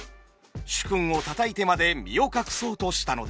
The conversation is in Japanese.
主君を叩いてまで身を隠そうとしたのです。